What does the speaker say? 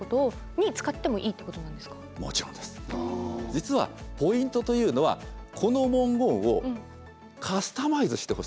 実はポイントというのはこの文言をカスタマイズしてほしいと。